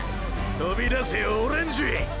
とびだせよオレンジ！！